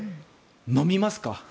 飲みますか？